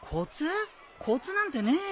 コツなんてねえよ。